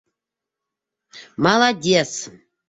Молодец!